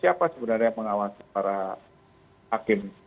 siapa sebenarnya yang mengawasi para hakim